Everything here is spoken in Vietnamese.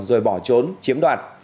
rồi bỏ trốn chiếm đoạt